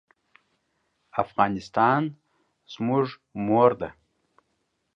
افغانستان زموږ مور ده